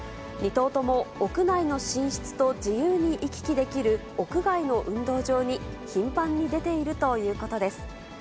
２頭とも屋内の寝室と自由に行き来できる屋外の運動場に頻繁に出ているということです。